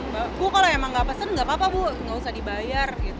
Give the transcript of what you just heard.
mbak bu kalau emang nggak pesen nggak apa apa bu nggak usah dibayar gitu